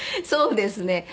そうですね。